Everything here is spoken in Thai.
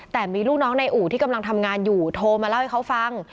แต่มีลูกน้องในอู่ที่กำลังทำงานอยู่โทรมาเล่าให้เขาฟัง